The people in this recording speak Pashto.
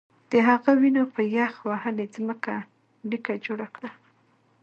د هغه وینو په یخ وهلې ځمکه لیکه جوړه کړه